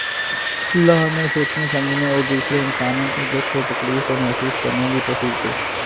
اللہ ہمیں سوچنے سمجھنے اور دوسرے انسانوں کے دکھ اور تکلیف کو محسوس کرنے کی توفیق دے